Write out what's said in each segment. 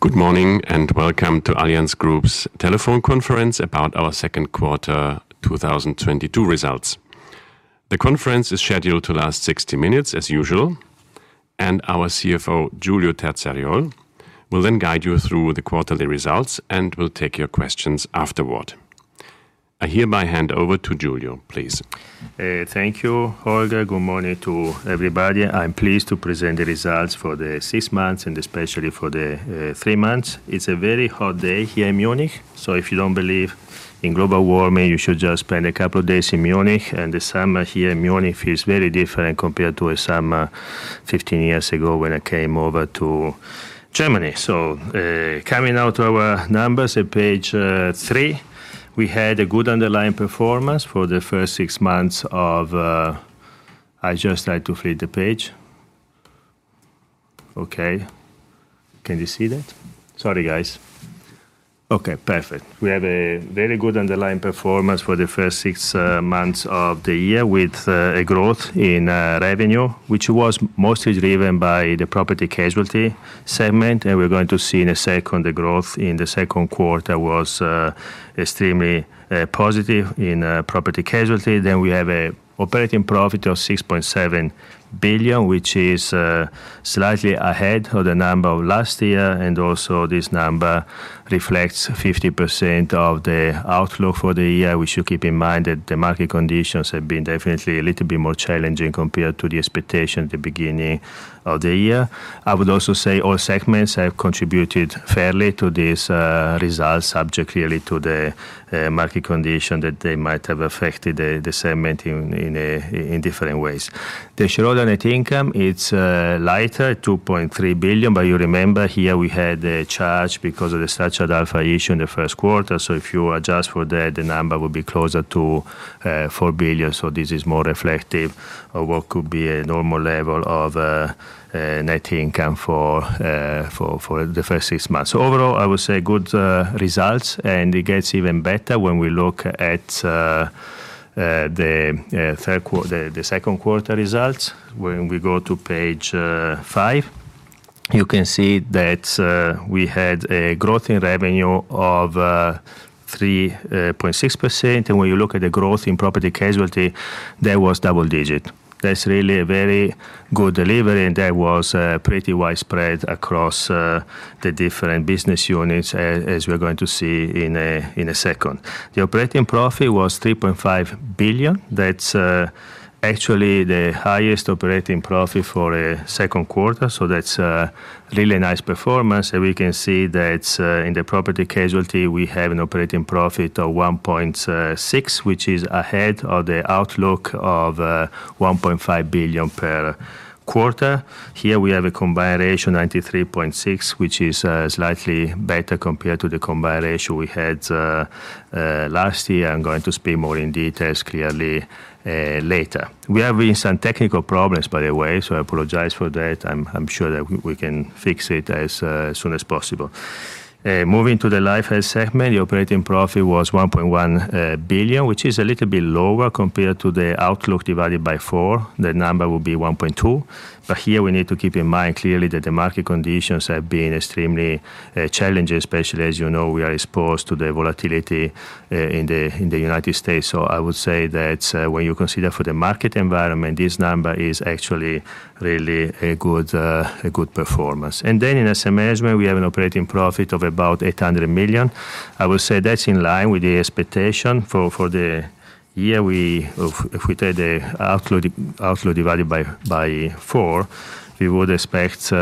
Good morning and welcome to Allianz Group's telephone conference about our second quarter 2022 results. The conference is scheduled to last 60 minutes, as usual, and our CFO, Giulio Terzariol, will then guide you through the quarterly results and will take your questions afterward. I hereby hand over to Giulio, please. Thank you, Holger. the page. Okay. Can you see that? Sorry, guys. Okay, perfect. We have a very good underlying performance for the first six months of the year with a growth in revenue, which was mostly driven by the property casualty segment. We're going to see in a second the growth in the second quarter was extremely positive in property-casualty. We have an operating profit of 6.7 billion, which is slightly ahead of the number of last year. This number also reflects 50% of the outlook for the year, which you keep in mind that the market conditions have been definitely a little bit more challenging compared to the expectation at the beginning of the year. I would also say all segments have contributed fairly to these results, subject really to the market condition that they might have affected the segment in different ways. The shareholder net income, it's lighter, 2.3 billion. You remember here we had a charge because of the Structured Alpha issue in the first quarter. If you adjust for that, the number would be closer to 4 billion. This is more reflective of what could be a normal level of net income for the first six months. Overall, I would say good results. It gets even better when we look at the second quarter results. When we go to page five, you can see that we had a growth in revenue of 3.6%. When you look at the growth in Property-Casualty, that was double-digit. That's really a very good delivery, and that was pretty widespread across the different business units, as we're going to see in a second. The operating profit was 3.5 billion. That's actually the highest operating profit for the second quarter. That's really a nice performance. We can see that in the Property-Casualty, we have an operating profit of 1.6 billion, which is ahead of the outlook of 1.5 billion per quarter. Here we have a combined ratio of 93.6%, which is slightly better compared to the combined ratio we had last year. I'm going to speak more in detail later. We have some technical problems, by the way, so I apologize for that. I'm sure that we can fix it as soon as possible. Moving to the Life/Health segment, the operating profit was 1.1 billion, which is a little bit lower compared to the outlook divided by four. The number would be 1.2. But here we need to keep in mind that the market conditions have been extremely challenging, especially as you know, we are exposed to the volatility in the United States. So I would say that when you consider the market environment, this number is actually really a good performance. In asset management, we have an operating profit of about 800 million. I would say that's in line with the expectation for the year. If we take the outlook divided by four, we would expect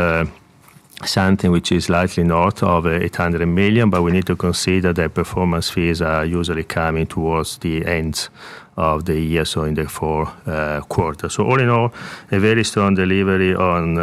something which is slightly north of 800 million. But we need to consider that performance fees are usually coming towards the end of the year, so in the fourth quarter. So all in all, a very strong delivery on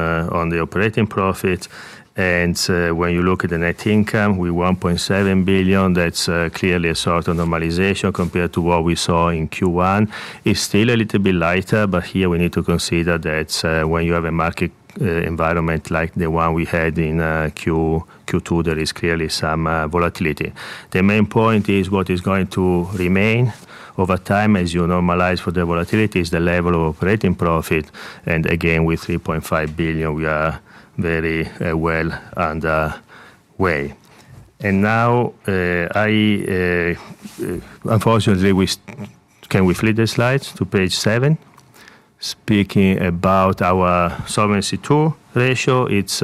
the operating profit. And when you look at the net income with 1.7 billion, that's clearly a sort of normalization compared to what we saw in Q1. It's still a little bit lighter, but here we need to consider that when you have a market environment like the one we had in Q2, there is clearly some volatility. The main point is what is going to remain over time as you normalize for the volatility is the level of operating profit. Again, with 3.5 billion, we are very well on the way. Now, unfortunately, can we flip the slides to page seven? Speaking about our Solvency II ratio, it's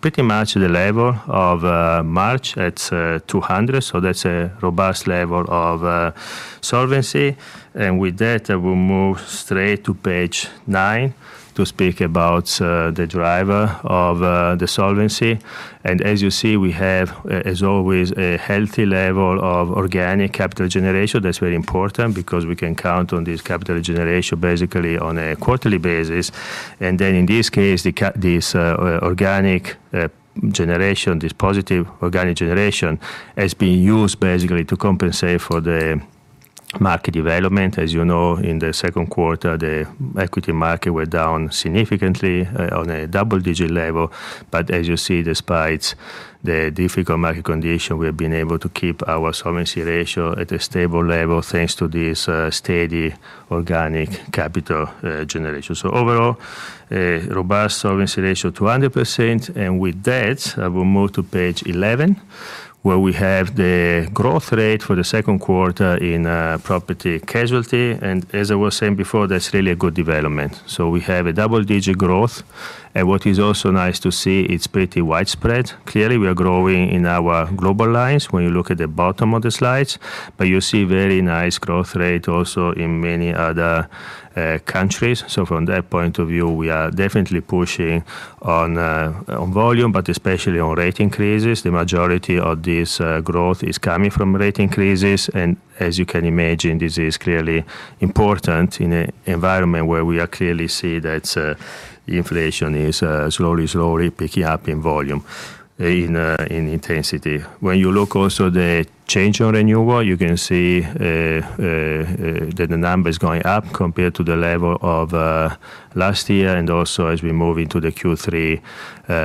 pretty much the level of March. It's 200. So that's a robust level of solvency. With that, we'll move straight to page nine to speak about the driver of the solvency. As you see, we have, as always, a healthy level of organic capital generation. That's very important because we can count on this capital generation basically on a quarterly basis. Then in this case, this organic generation, this positive organic generation has been used basically to compensate for the market development. As you know, in the second quarter, the equity market went down significantly on a double-digit level. But as you see, despite the difficult market condition, we have been able to keep our solvency ratio at a stable level thanks to this steady organic capital generation. So overall, robust solvency ratio 200%. And with that, I will move to page 11, where we have the growth rate for the second quarter in property-casualty. And as I was saying before, that's really a good development. So we have a double-digit growth. And what is also nice to see, it's pretty widespread. Clearly, we are growing in our global lines when you look at the bottom of the slides. But you see very nice growth rate also in many other countries. So from that point of view, we are definitely pushing on volume, but especially on rate increases. The majority of this growth is coming from rate increases. As you can imagine, this is clearly important in an environment where we clearly see that inflation is slowly, slowly picking up in volume, in intensity. When you look also at the change on renewal, you can see that the number is going up compared to the level of last year. Also, as we move into Q3,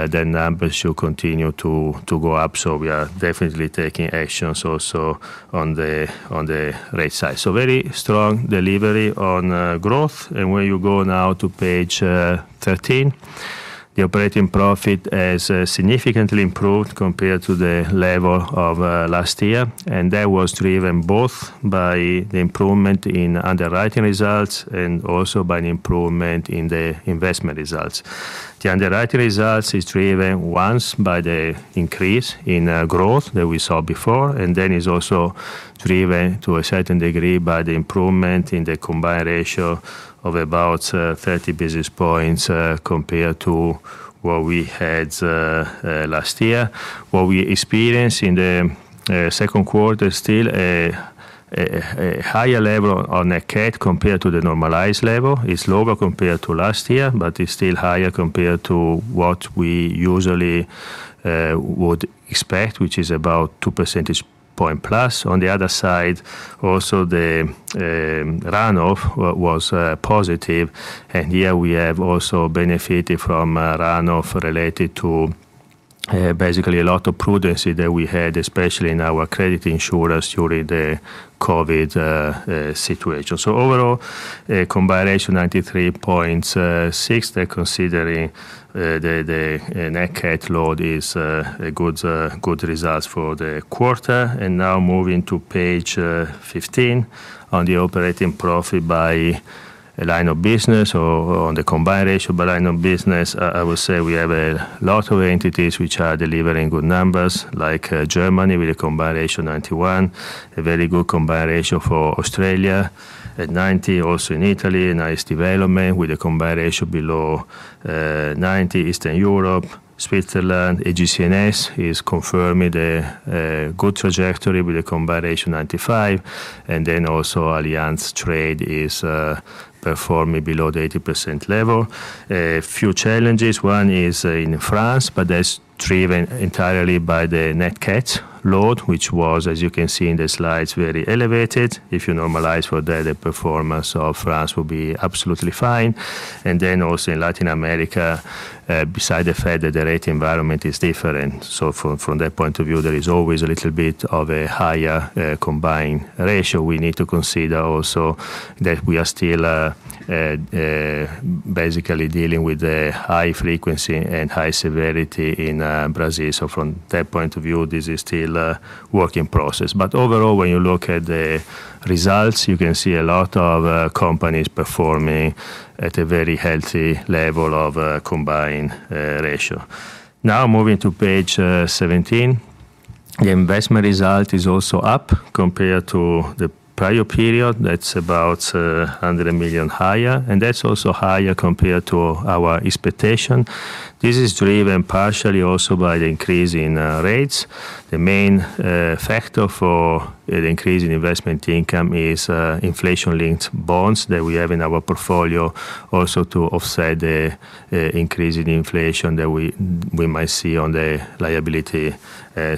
the numbers should continue to go up. We are definitely taking actions also on the right side. Very strong delivery on growth. When you go now to page 13, the operating profit has significantly improved compared to the level of last year. That was driven both by the improvement in underwriting results and also by the improvement in the investment results. The underwriting results are driven once by the increase in growth that we saw before. It is also driven to a certain degree by the improvement in the combined ratio of about 30 basis points compared to what we had last year. What we experienced in the second quarter is still a higher level on the CAT compared to the normalized level. It is lower compared to last year, but it is still higher compared to what we usually would expect, which is about 2% points +. On the other side, also the runoff was positive. Here we have also benefited from runoff related to basically a lot of prudency that we had, especially in our credit insurers during the COVID situation. Overall, combined ratio 93.6%, considering the net CAT load, is a good result for the quarter. Now moving to page 15 on the operating profit by line of business or on the combined ratio by line of business, I would say we have a lot of entities which are delivering good numbers, like Germany with a combined 91%, a very good combined for Australia, 90% also in Italy, nice development with a combined below 90%, Eastern Europe, Switzerland. AGCS is confirming the good trajectory with a combined 95%. And then also Allianz Trade is performing below the 80% level. A few challenges. One is in France, but that's driven entirely by the net CAT load, which was, as you can see in the slides, very elevated. If you normalize for that, the performance of France will be absolutely fine. And then also in Latin America, besides the fact that the rate environment is different. From that point of view, there is always a little bit of a higher Combined Ratio. We need to consider also that we are still basically dealing with the high frequency and high severity in Brazil. From that point of view, this is still a work in progress. But overall, when you look at the results, you can see a lot of companies performing at a very healthy level of Combined Ratio. Now moving to page 17, the investment result is also up compared to the prior period. That's about 100 million higher. And that's also higher compared to our expectation. This is driven partially also by the increase in rates. The main factor for the increase in investment income is Inflation-linked bonds that we have in our portfolio also to offset the increase in inflation that we might see on the liability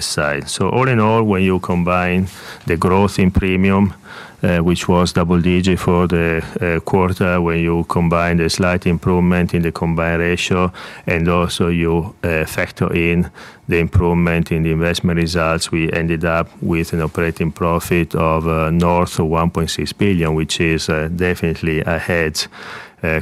side. So all in all, when you combine the growth in premium, which was double digit for the quarter, when you combine the slight improvement in the combined ratio and also you factor in the improvement in the investment results, we ended up with an operating profit of north of 1.6 billion, which is definitely ahead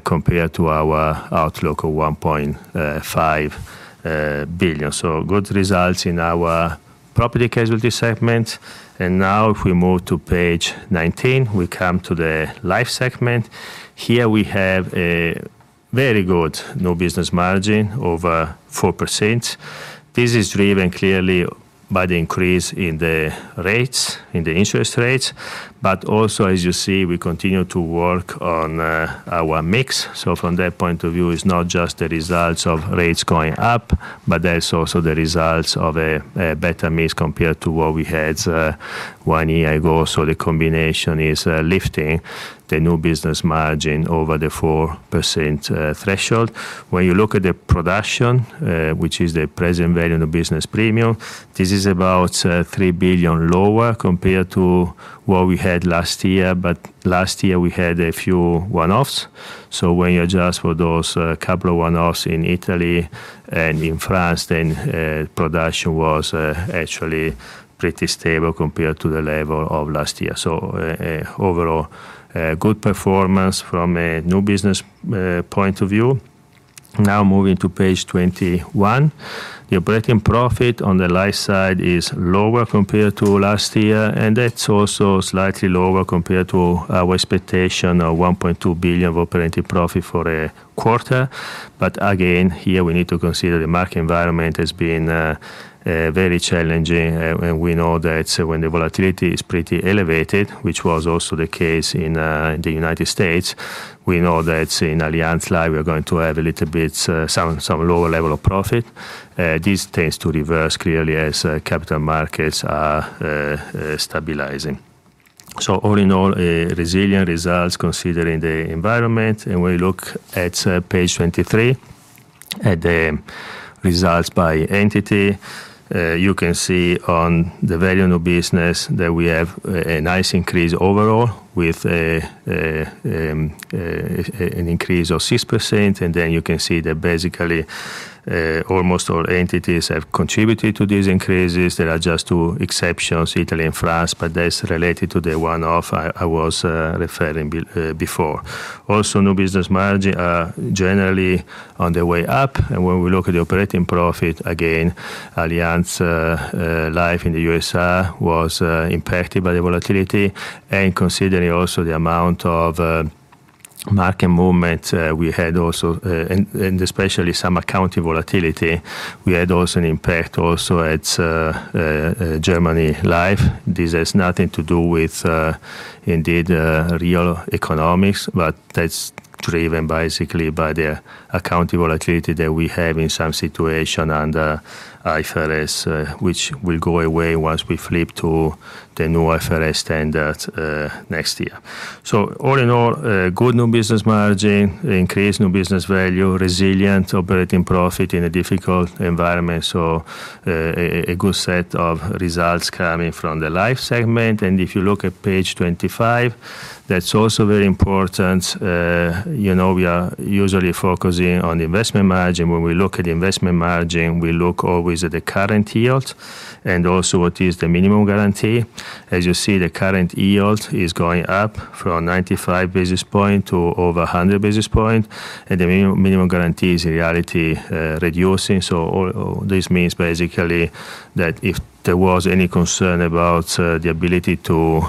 compared to our outlook of 1.5 billion. So good results in our property casualty segment. And now if we move to page 19, we come to the life segment. Here we have a very good new business margin of 4%. This is driven clearly by the increase in the rates, in the interest rates. But also, as you see, we continue to work on our mix. From that point of view, it's not just the results of rates going up, but there's also the results of a better mix compared to what we had one year ago. The combination is lifting the new business margin over the 4% threshold. When you look at the production, which is the present value of the business premium, this is about 3 billion lower compared to what we had last year. But last year, we had a few one-offs. When you adjust for those couple of one-offs in Italy and in France, then production was actually pretty stable compared to the level of last year. Overall, good performance from a new business point of view. Now moving to page 21, the operating profit on the life side is lower compared to last year. And that's also slightly lower compared to our expectation of 1.2 billion of operating profit for a quarter. But again, here we need to consider the market environment has been very challenging. And we know that when the volatility is pretty elevated, which was also the case in the United States, we know that in Allianz Life, we're going to have a little bit some lower level of profit. This tends to reverse clearly as capital markets are stabilizing. So all in all, resilient results considering the environment. And when you look at page 23, at the results by entity, you can see on the value of business that we have a nice increase overall with an increase of 6%. And then you can see that basically almost all entities have contributed to these increases. There are just two exceptions, Italy and France, but that's related to the one-off I was referring before. Also, new business margin are generally on the way up, and when we look at the operating profit, again, Allianz Life in the USA was impacted by the volatility, and considering also the amount of market movement we had also, and especially some accounting volatility, we had also an impact also at German Life. This has nothing to do with indeed real economics, but that's driven basically by the accounting volatility that we have in some situation under IFRS, which will go away once we flip to the new IFRS standard next year, so all in all, good new business margin, increased new business value, resilient operating profit in a difficult environment, so a good set of results coming from the life segment. And if you look at page 25, that's also very important. We are usually focusing on investment margin. When we look at investment margin, we look always at the current yield and also what is the minimum guarantee. As you see, the current yield is going up from 95 basis points to over 100 basis points. And the minimum guarantee is in reality reducing. So this means basically that if there was any concern about the ability to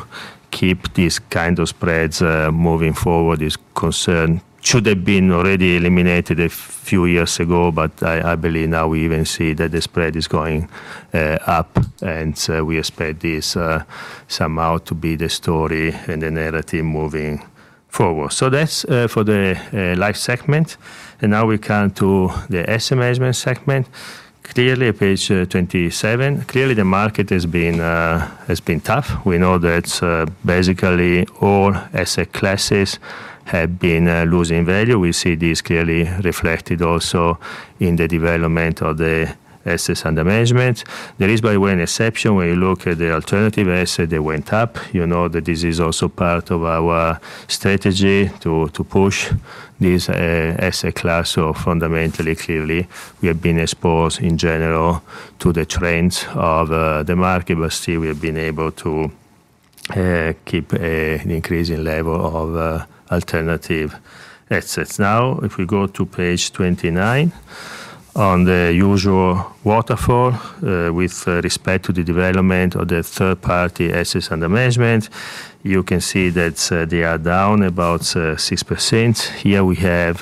keep these kinds of spreads moving forward, this concern should have been already eliminated a few years ago. But I believe now we even see that the spread is going up. And we expect this somehow to be the story and the narrative moving forward. So that's for the life segment. And now we come to the asset management segment. Clearly, page 27, clearly the market has been tough. We know that basically all asset classes have been losing value. We see this clearly reflected also in the development of the assets under management. There is, by the way, an exception when you look at the alternative asset that went up. You know that this is also part of our strategy to push this asset class so fundamentally. Clearly, we have been exposed in general to the trends of the market, but still we have been able to keep an increasing level of alternative assets. Now, if we go to page 29, on the usual waterfall with respect to the development of the third-party assets under management, you can see that they are down about 6%. Here we have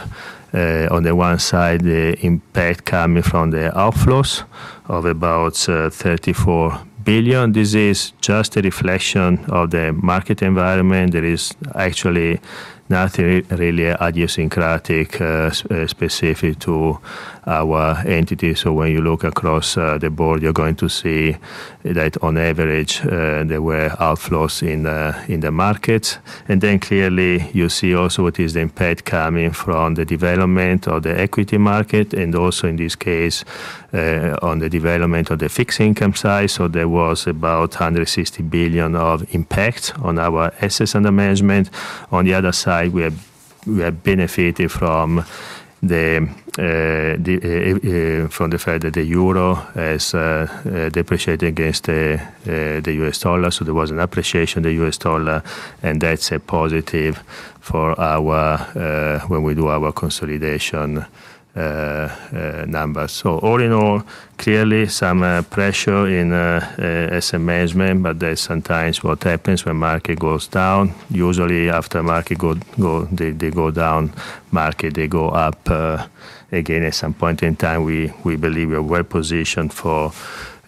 on the one side the impact coming from the outflows of about 34 billion. This is just a reflection of the market environment. There is actually nothing really idiosyncratic specific to our entity. So when you look across the board, you're going to see that on average, there were outflows in the markets. And then clearly you see also what is the impact coming from the development of the equity market and also in this case on the development of the fixed income side. So there was about 160 billion of impact on our assets under management. On the other side, we have benefited from the fact that the euro has depreciated against the U.S. dollar. So there was an appreciation of the U.S. dollar. And that's a positive for our when we do our consolidation numbers. So all in all, clearly some pressure in asset management, but that's sometimes what happens when market goes down. Usually after market go down, market they go up again at some point in time. We believe we're well positioned for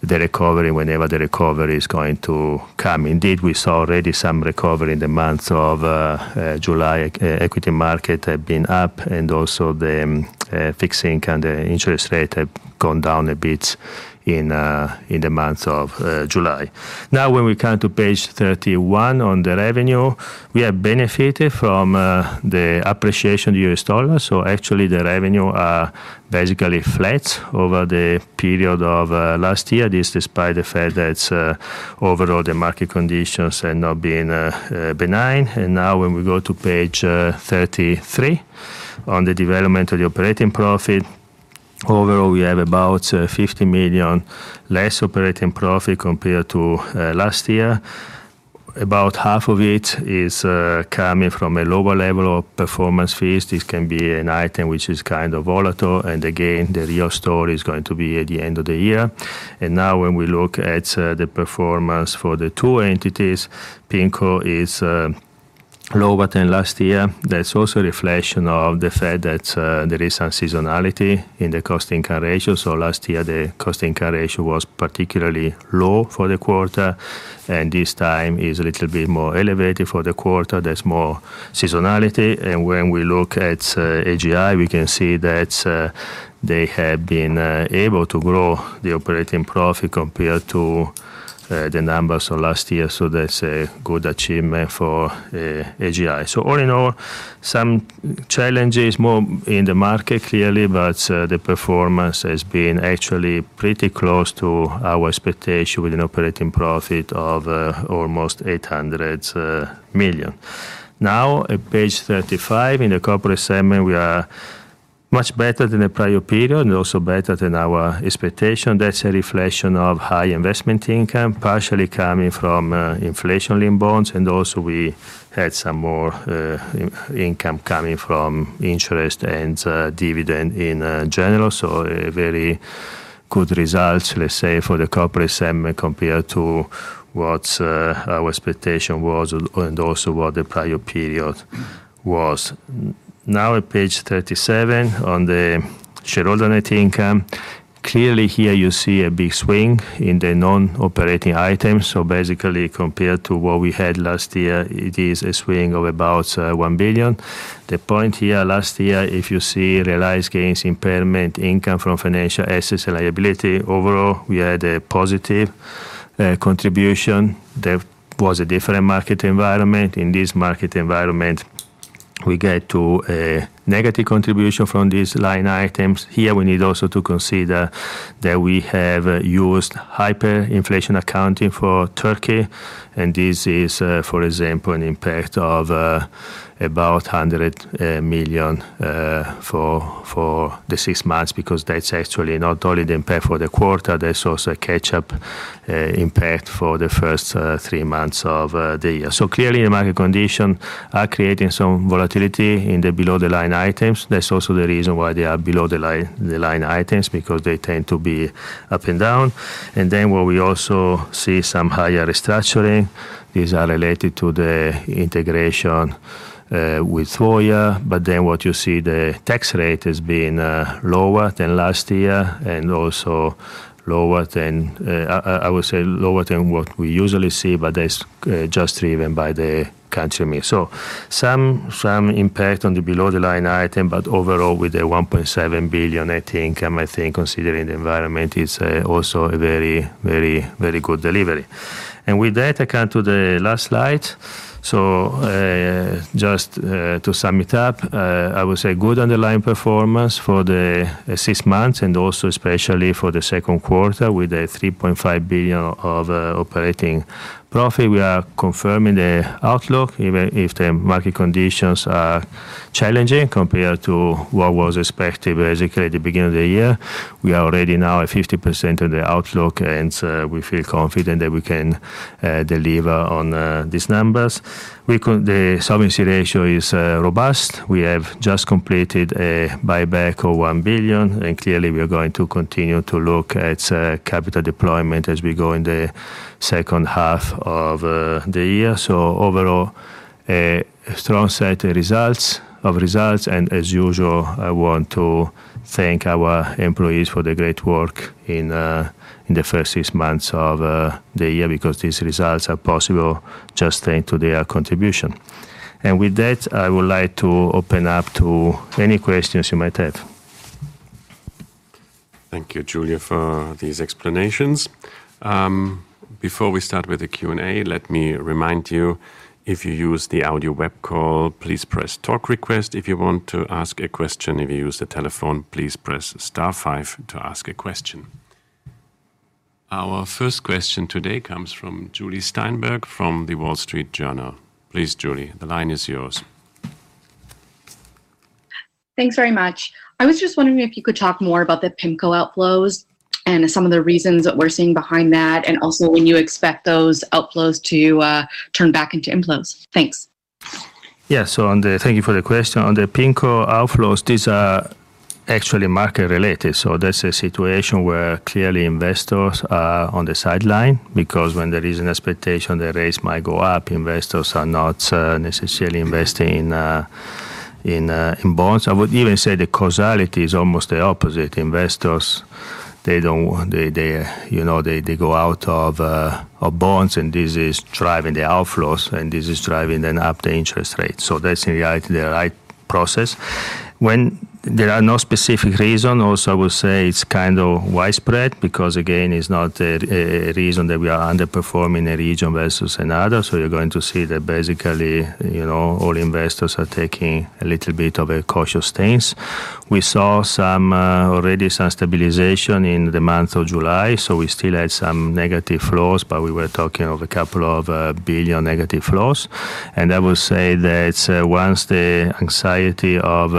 the recovery whenever the recovery is going to come. Indeed, we saw already some recovery in the month of July. Equity market have been up and also the fixed income and the interest rate have gone down a bit in the month of July. Now when we come to page 31 on the revenue, we have benefited from the appreciation of the U.S. dollar. So actually the revenue are basically flat over the period of last year. This is despite the fact that overall the market conditions have not been benign. And now when we go to page 33 on the development of the operating profit, overall we have about 50 million less operating profit compared to last year. About half of it is coming from a lower level of performance fees. This can be an item which is kind of volatile. Again, the real story is going to be at the end of the year. Now when we look at the performance for the two entities, PIMCO is lower than last year. That's also a reflection of the fact that there is some seasonality in the cost income ratio. Last year, the cost income ratio was particularly low for the quarter. This time is a little bit more elevated for the quarter. There's more seasonality. When we look at AGI, we can see that they have been able to grow the operating profit compared to the numbers of last year. That's a good achievement for AGI. All in all, some challenges more in the market clearly, but the performance has been actually pretty close to our expectation with an operating profit of almost 800 million. Now at page 35 in the corporate segment, we are much better than the prior period and also better than our expectation. That's a reflection of high investment income partially coming from inflation-linked bonds. And also we had some more income coming from interest and dividend in general. So very good results, let's say, for the corporate segment compared to what our expectation was and also what the prior period was. Now at page 37 on the shareholder net income, clearly here you see a big swing in the non-operating items. So basically compared to what we had last year, it is a swing of about 1 billion. The point here last year, if you see realized gains, impairment, income from financial assets and liability, overall we had a positive contribution. There was a different market environment. In this market environment, we get to a negative contribution from these line items. Here we need also to consider that we have used hyperinflation accounting for Turkey, and this is, for example, an impact of about 100 million for the six months because that's actually not only the impact for the quarter, that's also a catch-up impact for the first three months of the year, so clearly the market conditions are creating some volatility in the below-the-line items. That's also the reason why they are below the line items because they tend to be up and down, and then where we also see some higher restructuring, these are related to the integration with Voya, but then what you see, the tax rate has been lower than last year and also lower than, I would say, lower than what we usually see, but that's just driven by the country mix. So some impact on the below-the-line item, but overall with the 1.7 billion net income, I think considering the environment, it's also a very, very, very good delivery. And with that, I come to the last slide. So just to sum it up, I would say good underlying performance for the six months and also especially for the second quarter with 3.5 billion of operating profit. We are confirming the outlook even if the market conditions are challenging compared to what was expected basically at the beginning of the year. We are already now at 50% of the outlook and we feel confident that we can deliver on these numbers. The solvency ratio is robust. We have just completed a buyback of 1 billion and clearly we are going to continue to look at capital deployment as we go in the second half of the year. So overall, strong set of results. And as usual, I want to thank our employees for the great work in the first six months of the year because these results are possible just thanks to their contribution. And with that, I would like to open up to any questions you might have. Thank you, Giulio, for these explanations. Before we start with the Q&A, let me remind you, if you use the audio webcall, please press talk request. If you want to ask a question, if you use the telephone, please press star five to ask a question. Our first question today comes from Julie Steinberg from The Wall Street Journal. Please, Julie, the line is yours. Thanks very much. I was just wondering if you could talk more about the PIMCO outflows and some of the reasons that we're seeing behind that and also when you expect those outflows to turn back into inflows. Thanks. Yeah, so thank you for the question. On the PIMCO outflows, these are actually market-related. So that's a situation where clearly investors are on the sideline because when there is an expectation, the rates might go up. Investors are not necessarily investing in bonds. I would even say the causality is almost the opposite. Investors, they go out of bonds and this is driving the outflows and this is driving then up the interest rate. So that's in reality the right process. When there are no specific reasons, also I would say it's kind of widespread because again, it's not a reason that we are underperforming a region versus another. You're going to see that basically all investors are taking a little bit of a cautious stance. We saw already some stabilization in the month of July. We still had some negative flows, but we were talking of a couple of billion negative flows. I will say that once the anxiety of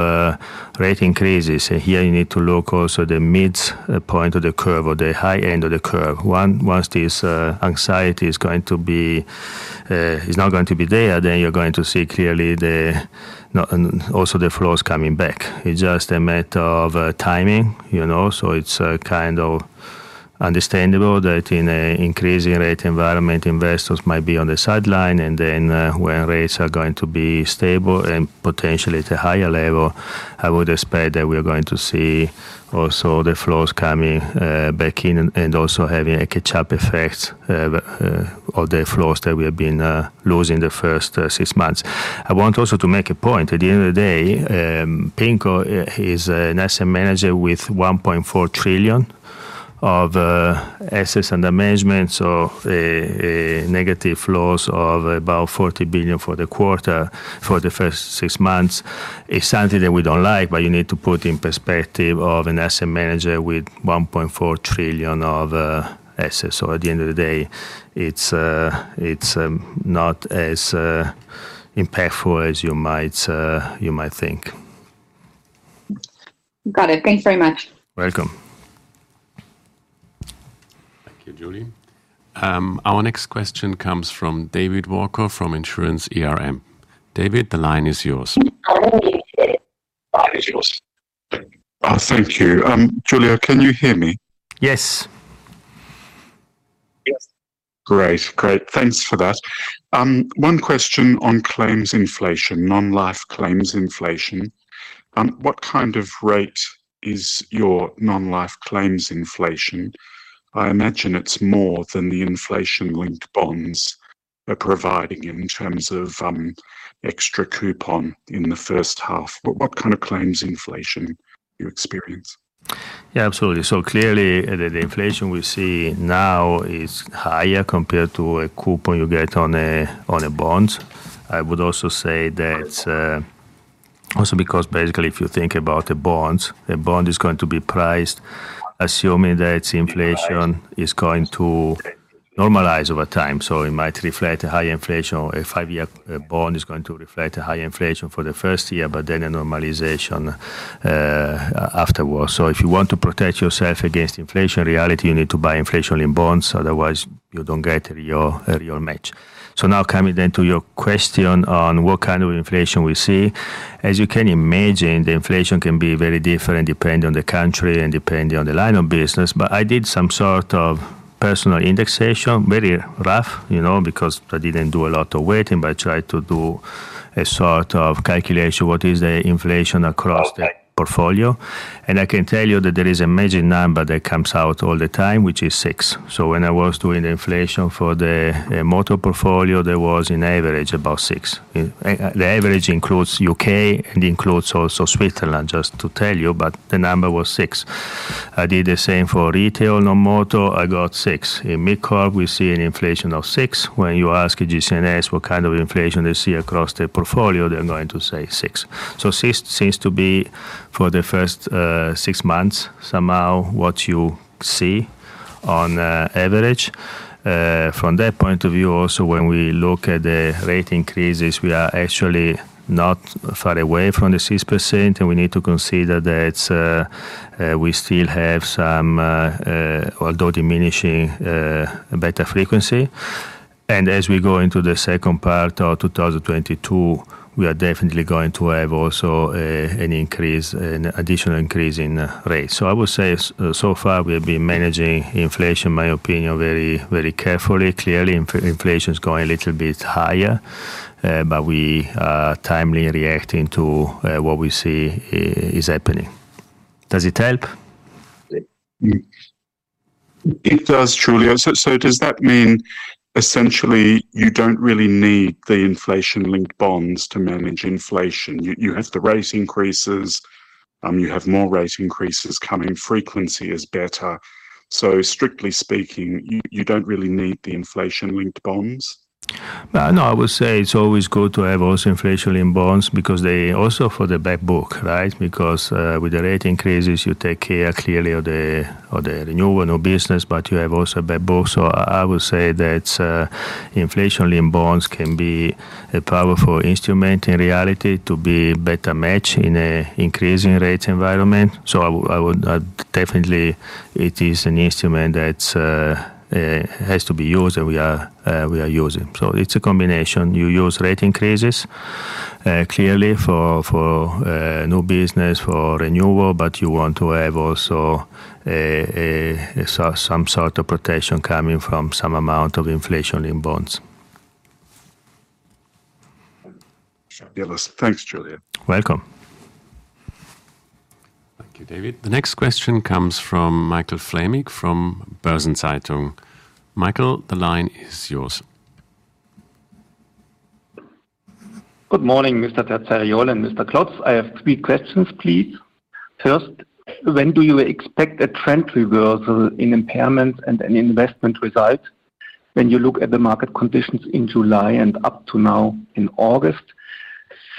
rate increases, and here you need to look also at the midpoint of the curve or the high end of the curve, once this anxiety is going to be, it's not going to be there, then you're going to see clearly also the flows coming back. It's just a matter of timing. It's kind of understandable that in an increasing rate environment, investors might be on the sideline. And then when rates are going to be stable and potentially at a higher level, I would expect that we are going to see also the flows coming back in and also having a catch-up effect of the flows that we have been losing the first six months. I want also to make a point. At the end of the day, PIMCO is an asset manager with 1.4 trillion of assets under management. So negative flows of about 40 billion for the quarter for the first six months is something that we don't like, but you need to put in perspective of an asset manager with 1.4 trillion of assets. So at the end of the day, it's not as impactful as you might think. Got it. Thanks very much. Welcome. Thank you, Julie. Our next question comes from David Walker from Insurance Day, the line is yours. Thank you. Giulio, can you hear me? Yes. Great. Great. Thanks for that. One question on claims inflation, non-life claims inflation. What kind of rate is your non-life claims inflation? I imagine it's more than the inflation-linked bonds are providing in terms of extra coupon in the first half. What kind of claims inflation do you experience? Yeah, absolutely. So clearly the inflation we see now is higher compared to a coupon you get on a bond. I would also say that also because basically if you think about a bond, a bond is going to be priced assuming that inflation is going to normalize over time. So it might reflect a high inflation or a five-year bond is going to reflect a high inflation for the first year, but then a normalization afterwards. So if you want to protect yourself against inflation, in reality, you need to buy inflation-linked bonds. Otherwise, you don't get a real match. So now coming then to your question on what kind of inflation we see. As you can imagine, the inflation can be very different depending on the country and depending on the line of business. But I did some sort of personal indexation, very rough, because I didn't do a lot of weighting, but I tried to do a sort of calculation of what is the inflation across the portfolio. And I can tell you that there is a major number that comes out all the time, which is six. So when I was doing the inflation for the motor portfolio, there was an average about six. The average includes UK and includes also Switzerland, just to tell you, but the number was six. I did the same for retail, non-motor. I got six. In mid-corp, we see an inflation of six. When you ask AGCS what kind of inflation they see across their portfolio, they're going to say six. So six seems to be for the first six months somehow what you see on average. From that point of view, also when we look at the rate increases, we are actually not far away from the 6%. And we need to consider that we still have some, although diminishing, better frequency. And as we go into the second part of 2022, we are definitely going to have also an increase, an additional increase in rates. So I would say so far we have been managing inflation, in my opinion, very, very carefully. Clearly, inflation is going a little bit higher, but we are timely reacting to what we see is happening. Does it help? It does, Giulio. So does that mean essentially you don't really need the inflation-linked bonds to manage inflation? You have the rate increases, you have more rate increases coming, frequency is better. So strictly speaking, you don't really need the inflation-linked bonds? No, I would say it's always good to have also inflation-linked bonds because they also for the backbook, right? Because with the rate increases, you take care clearly of the renewal of business, but you have also backbook. So I would say that inflation-linked bonds can be a powerful instrument in reality to be a better match in an increasing rate environment. So I would definitely, it is an instrument that has to be used and we are using. So it's a combination. You use rate increases clearly for new business, for renewal, but you want to have also some sort of protection coming from some amount of inflation-linked bonds. Thanks, Julia. Welcome. Thank you, David. The next question comes from Michel Fleming from Börsen-Zeitung. Michael, the line is yours. Good morning, Mr. Terzariol and Mr. Klotz. I have three questions, please. First, when do you expect a trend reversal in impairments and an investment result when you look at the market conditions in July and up to now in August?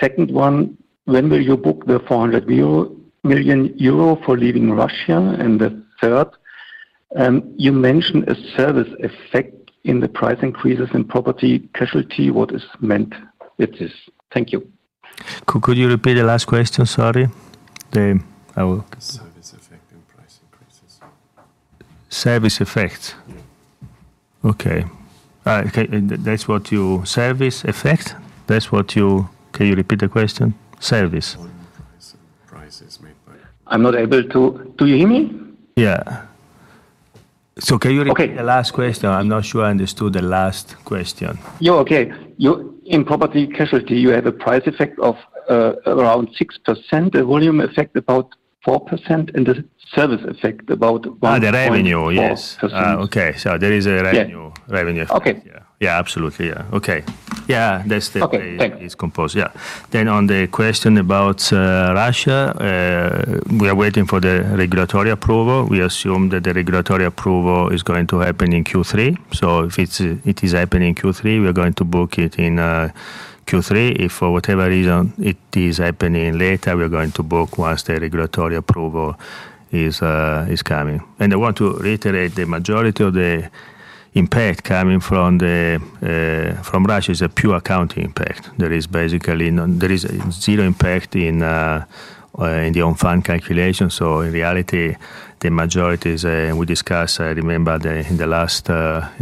Second one, when will you book the 400 million euro for leaving Russia? And the third, you mentioned a service effect in the price increases in property casualty. What is meant with this? Thank you. Could you repeat the last question? Sorry. Service effect in price increases. Service effect. Okay. That's what you service effect? That's what you can you repeat the question? Service. Volume prices made. I'm not able to. Do you hear me? Yeah. So can you repeat the last question? I'm not sure I understood the last question. You're okay. In property casualty, you have a price effect of around 6%, a volume effect about 4%, and the service effect about 1.4%. The revenue Yes. Okay. So there is a revenue effect. Yeah, absolutely. Yeah. Okay. Yeah, that's the composition. Yeah. Then, on the question about Russia, we are waiting for the regulatory approval. We assume that the regulatory approval is going to happen in Q3. So if it is happening in Q3, we're going to book it in Q3. If for whatever reason it is happening later, we're going to book once the regulatory approval is coming, and I want to reiterate the majority of the impact coming from Russia is a pure accounting impact. There is basically zero impact in the ongoing calculation. In reality, the majority is we discussed. I remember in the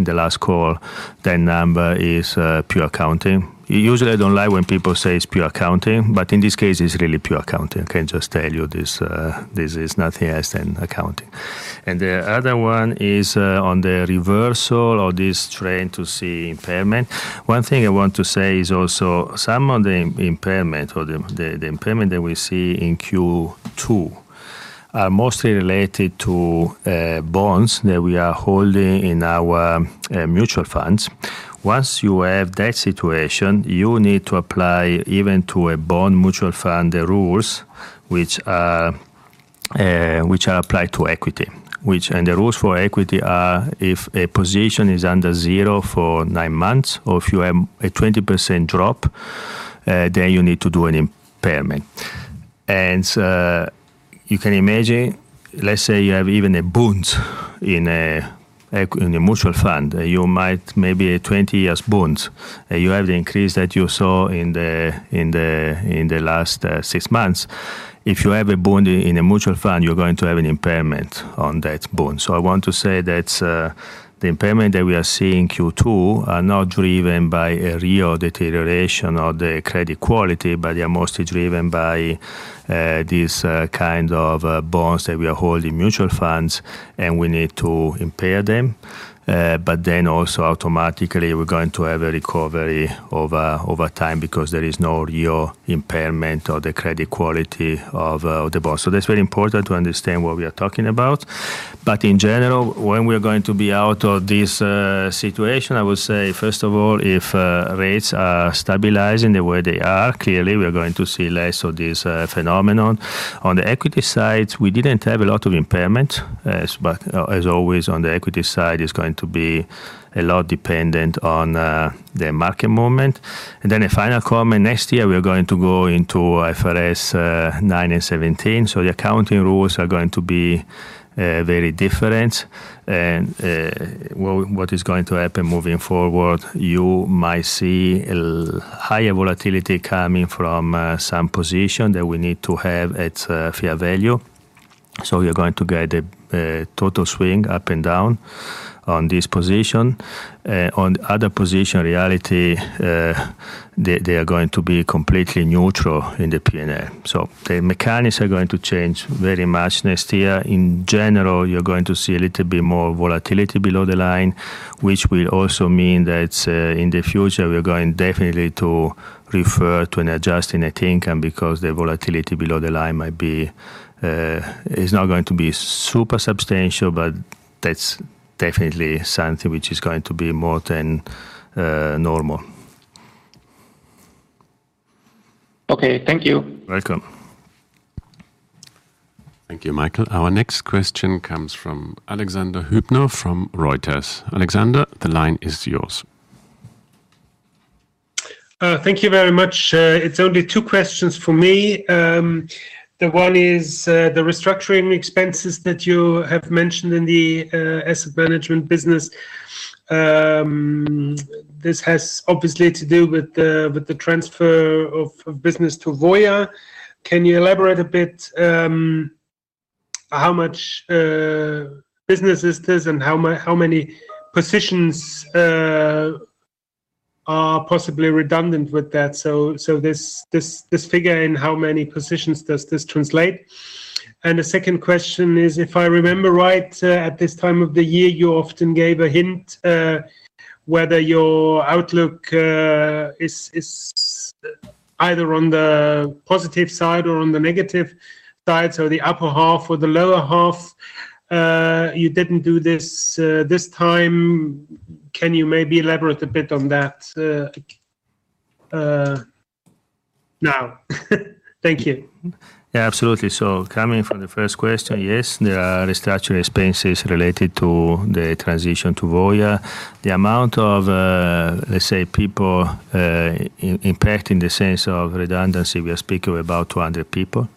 last call, that number is pure accounting. Usually, I don't like when people say it's pure accounting, but in this case, it's really pure accounting. I can just tell you this is nothing else than accounting. The other one is on the reversal or this trend to see impairment. One thing I want to say is also some of the impairment or the impairment that we see in Q2 are mostly related to bonds that we are holding in our mutual funds. Once you have that situation, you need to apply even to a bond mutual fund the rules which are applied to equity. The rules for equity are if a position is under zero for nine months or if you have a 20% drop, then you need to do an impairment. You can imagine, let's say you have even a bond in a mutual fund, you might maybe a 20-year bond, and you have the increase that you saw in the last six months. If you have a bond in a mutual fund, you're going to have an impairment on that bond. So I want to say that the impairment that we are seeing Q2 are not driven by a real deterioration of the credit quality, but they are mostly driven by these kind of bonds that we are holding mutual funds, and we need to impair them. But then also automatically, we're going to have a recovery over time because there is no real impairment of the credit quality of the bond. So that's very important to understand what we are talking about. But in general, when we are going to be out of this situation, I would say, first of all, if rates are stabilizing the way they are, clearly, we are going to see less of this phenomenon. On the equity side, we didn't have a lot of impairment. As always, on the equity side, it's going to be a lot dependent on the market movement. And then a final comment, next year, we're going to go into IFRS 9 and 17. So the accounting rules are going to be very different. And what is going to happen moving forward, you might see a higher volatility coming from some position that we need to have at fair value. So you're going to get a total swing up and down on this position. On the other position, in reality, they are going to be completely neutral in the P&L. So the mechanics are going to change very much next year. In general, you're going to see a little bit more volatility below the line, which will also mean that in the future, we're going definitely to refer to an adjusting net income because the volatility below the line might be. It's not going to be super substantial, but that's definitely something which is going to be more than normal. Okay. Thank you. Welcome. Thank you, Michael. Our next question comes from Alexander Hübner from Reuters. Alexander, the line is yours. Thank you very much. It's only two questions for me. The one is the restructuring expenses that you have mentioned in the asset management business. This has obviously to do with the transfer of business to Voya. Can you elaborate a bit how much business is this and how many positions are possibly redundant with that? So this figure in how many positions does this translate? And the second question is, if I remember right, at this time of the year, you often gave a hint whether your outlook is either on the positive side or on the negative side, so the upper half or the lower half. You didn't do this this time. Can you maybe elaborate a bit on that now? Thank you. Yeah, absolutely. So coming from the first question, yes, there are restructuring expenses related to the transition to Voya. The amount of, let's say, people impact in the sense of redundancy, we are speaking about 200 people.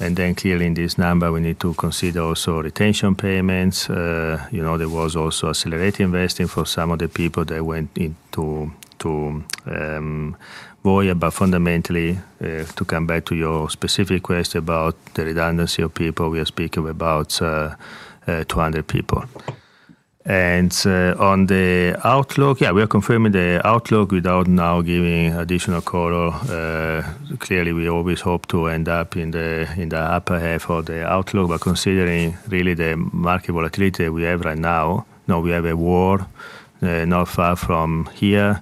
And then clearly, in this number, we need to consider also retention payments. There was also accelerated investing for some of the people that went into Voya. But fundamentally, to come back to your specific question about the redundancy of people, we are speaking about 200 people. And on the outlook, yeah, we are confirming the outlook without now giving additional color. Clearly, we always hope to end up in the upper half of the outlook. But considering really the market volatility that we have right now, we have a war not far from here.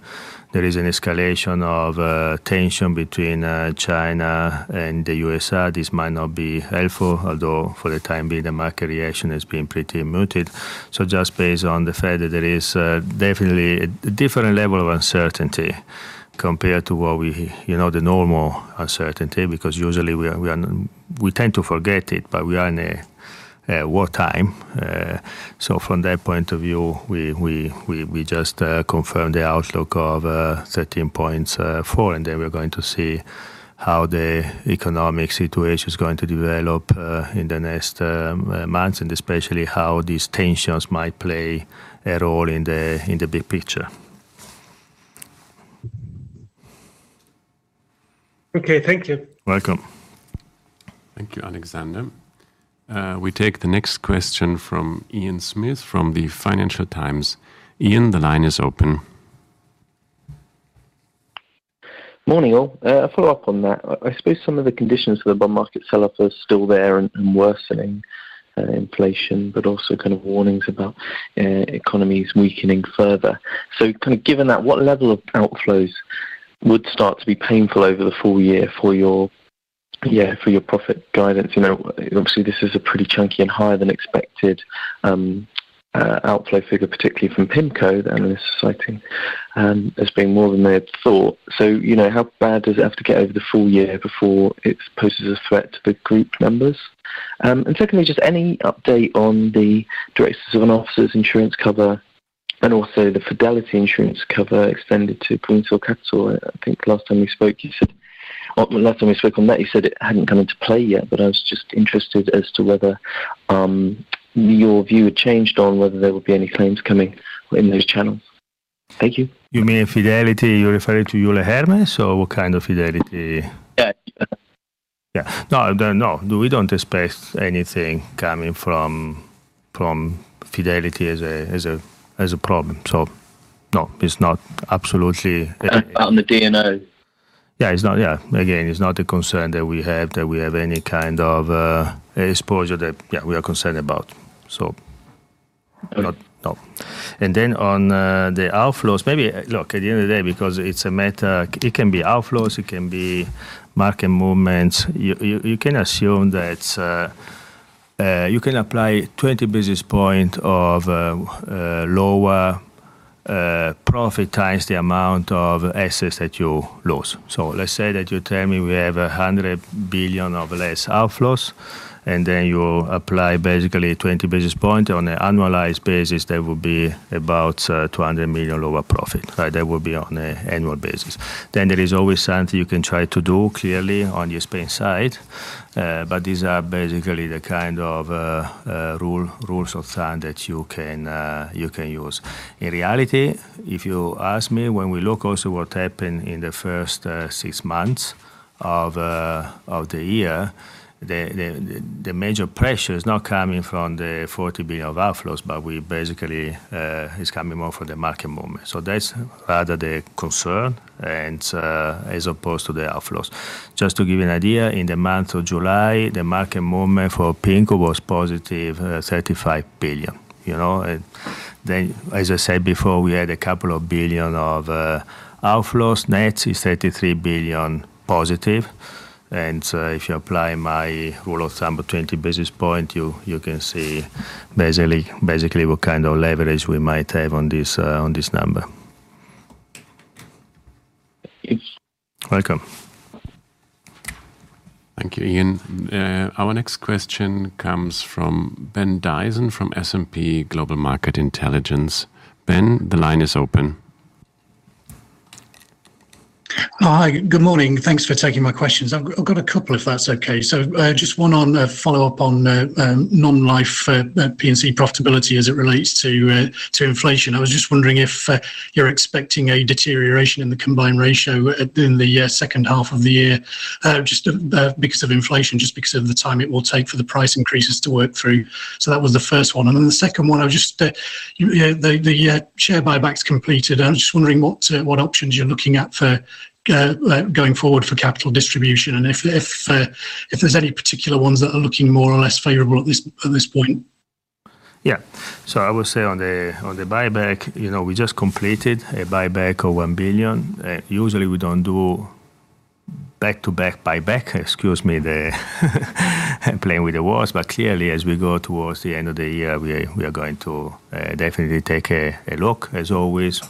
There is an escalation of tension between China and the USA. This might not be helpful, although for the time being, the market reaction has been pretty muted. So just based on the fact that there is definitely a different level of uncertainty compared to what we the normal uncertainty, because usually we tend to forget it, but we are in a wartime. So from that point of view, we just confirmed the outlook of 13.4, and then we're going to see how the economic situation is going to develop in the next months and especially how these tensions might play a role in the big picture. Okay. Thank you. Welcome. Thank you, Alexander. We take the next question from Ian Smith from the Financial Times. Ian, the line is open. Morning, all. A follow-up on that. I suppose some of the conditions for the bond market sell-off are still there and worsening inflation, but also kind of warnings about economies weakening further. So kind of given that, what level of outflows would start to be painful over the full year for your profit guidance? Obviously, this is a pretty chunky and higher-than-expected outflow figure, particularly from PIMCO; the analyst consensus has been more than they had thought. So how bad does it have to get over the full year before it poses a threat to the group numbers? And secondly, just any update on the directors and officers insurance cover and also the Fidelity insurance cover extended to Greensill Capital? I think last time we spoke, you said it hadn't come into play yet, but I was just interested as to whether your view had changed on whether there would be any claims coming in those channels. Thank you. You mean Fidelity, you're referring to Euler Hermes or what kind of Fidelity? Yeah. Yeah. No, we don't expect anything coming from Fidelity as a problem. So no, it's not absolutely. Out in the D&O. Yeah, again, it's not a concern that we have any kind of exposure that, yeah, we are concerned about. So no. And then, on the outflows, maybe look at the end of the day, because it's a matter. It can be outflows; it can be market movements. You can assume that you can apply 20 basis points of lower profit times the amount of assets that you lose. So, let's say that you tell me we have 100 billion of less outflows, and then you apply basically 20 basis points on an annualized basis. There will be about 200 million lower profit, right? That will be on an annual basis. Then, there is always something you can try to do clearly on your spend side. But these are basically the kind of rules of thumb that you can use. In reality, if you ask me, when we look also what happened in the first six months of the year, the major pressure is not coming from the 40 billion of outflows, but we basically it's coming more from the market movement. So that's rather the concern as opposed to the outflows. Just to give you an idea, in the month of July, the market movement for PIMCO was +35 billion. And then, as I said before, we had a couple of billion of outflows. Net is +33 billion. And if you apply my rule of thumb of 20 basis points, you can see basically what kind of leverage we might have on this number. Thank you. Welcome. Thank you, Ian. Our next question comes from Ben Dyson from S&P Global Market Intelligence. Ben, the line is open. Hi, good morning. Thanks for taking my questions. I've got a couple if that's okay. So just one on a follow-up on non-life P&C profitability as it relates to inflation. I was just wondering if you're expecting a deterioration in the combined ratio in the second half of the year just because of inflation, just because of the time it will take for the price increases to work through. So that was the first one. And then the second one, I was just the share buyback's completed. I was just wondering what options you're looking at for going forward for capital distribution and if there's any particular ones that are looking more or less favorable at this point. Yeah. So I would say on the buyback, we just completed a buyback of 1 billion. Usually, we don't do back-to-back buyback. Excuse me for playing with the words. But clearly, as we go towards the end of the year, we are going to definitely take a look. As always,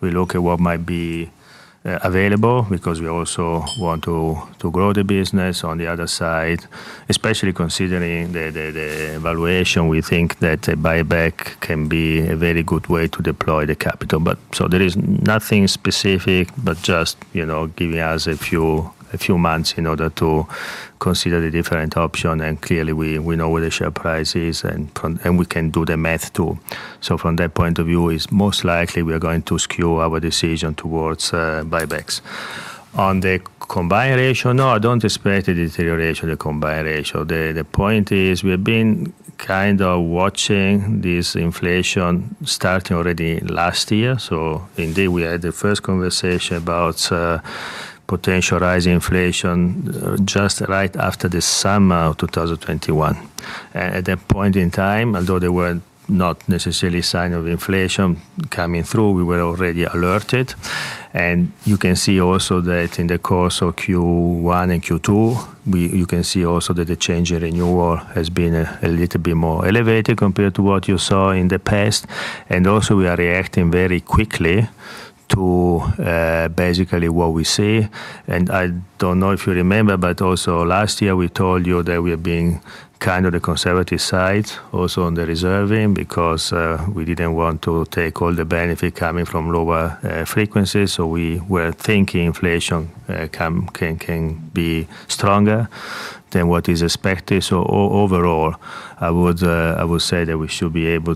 we look at what might be available because we also want to grow the business on the other side, especially considering the valuation. We think that a buyback can be a very good way to deploy the capital. So there is nothing specific, but just giving us a few months in order to consider the different options. And clearly, we know where the share price is, and we can do the math too. So from that point of view, it's most likely we are going to skew our decision towards buybacks. On the combined ratio, no, I don't expect a deterioration of the combined ratio. The point is we've been kind of watching this inflation starting already last year. So indeed, we had the first conversation about potential rising inflation just right after the summer of 2021. And at that point in time, although there were not necessarily signs of inflation coming through, we were already alerted. And you can see also that in the course of Q1 and Q2, you can see also that the change in renewal has been a little bit more elevated compared to what you saw in the past. And also, we are reacting very quickly to basically what we see. And I don't know if you remember, but also last year, we told you that we have been kind of the conservative side, also on the reserving because we didn't want to take all the benefit coming from lower frequencies. So we were thinking inflation can be stronger than what is expected. So overall, I would say that we should be able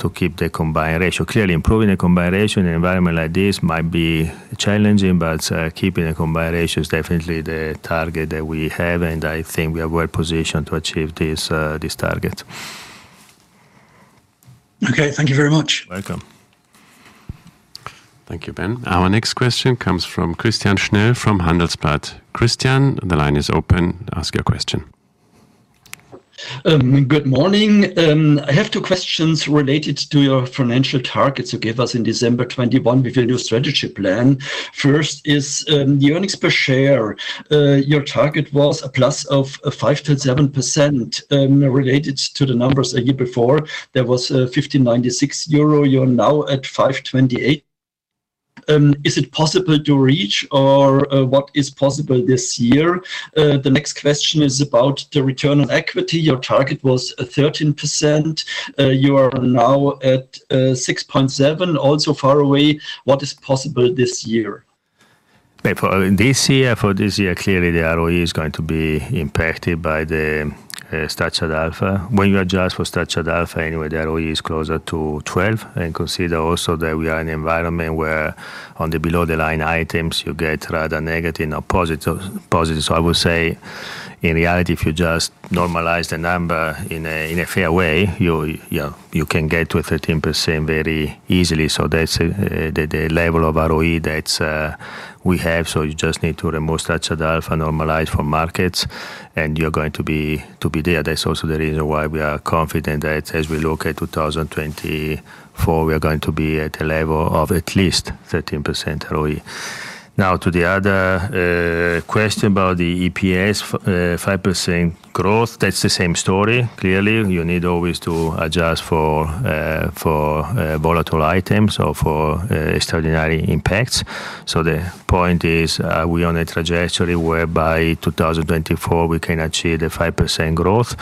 to keep the combined ratio. Clearly, improving the combined ratio in an environment like this might be challenging, but keeping the combined ratio is definitely the target that we have. And I think we are well positioned to achieve this target. Okay. Thank you very much. Welcome. Thank you, Ben. Our next question comes from Christian Schnell from Handelsblatt. Christian, the line is open. Ask your question. Good morning. I have two questions related to your financial targets you gave us in December 2021 with your new strategy plan. First is the earnings per share. Your target was a plus of 5%-7% related to the numbers a year before. There was 50.96 euro. You're now at 5.28. Is it possible to reach, or what is possible this year? The next question is about the return on equity. Your target was 13%. You are now at 6.7%. Also far away, what is possible this year? This year, clearly, the ROE is going to be impacted by the Structured Alpha. When you adjust for Structured Alpha, anyway, the ROE is closer to 12%, and consider also that we are in an environment where on the below-the-line items, you get rather negative or positive, so I would say, in reality, if you just normalize the number in a fair way, you can get to 13% very easily, so that's the level of ROE that we have, so you just need to remove Structured Alpha, normalize for markets, and you're going to be there. That's also the reason why we are confident that as we look at 2024, we are going to be at a level of at least 13% ROE. Now, to the other question about the EPS, 5% growth, that's the same story. Clearly, you need always to adjust for volatile items or for extraordinary impacts. So the point is we are on a trajectory whereby 2024, we can achieve the 5% growth.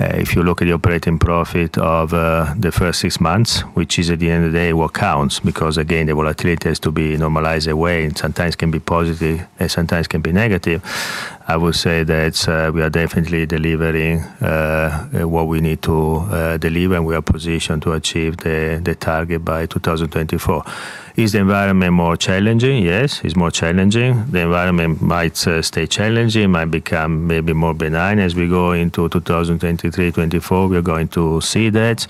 If you look at the operating profit of the first six months, which is at the end of the day, what counts? Because, again, the volatility has to be normalized away, and sometimes can be positive and sometimes can be negative. I would say that we are definitely delivering what we need to deliver, and we are positioned to achieve the target by 2024. Is the environment more challenging? Yes, it's more challenging. The environment might stay challenging, might become maybe more benign as we go into 2023, 2024. We are going to see that.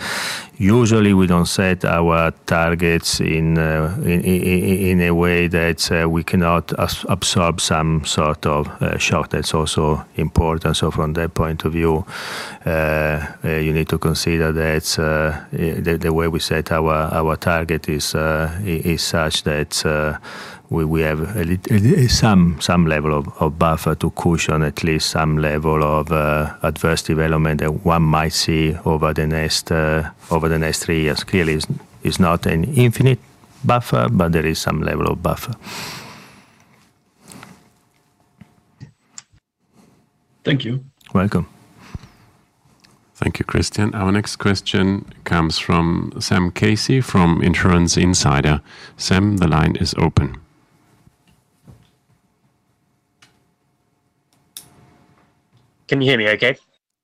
Usually, we don't set our targets in a way that we cannot absorb some sort of shock. That's also important. So from that point of view, you need to consider that the way we set our target is such that we have some level of buffer to cushion at least some level of adverse development that one might see over the next three years. Clearly, it's not an infinite buffer, but there is some level of buffer. Thank you. Welcome. Thank you, Christian. Our next question comes from Sam Casey from Insurance Insider. Sam, the line is open. Can you hear me okay?